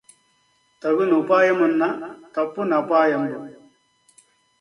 తగు నుపాయమున్న తప్పు నపాయంబు